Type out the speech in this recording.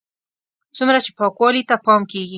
څومره چې پاکوالي ته پام کېږي.